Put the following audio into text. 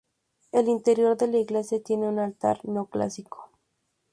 El interior de la iglesia tiene un altar neoclásico.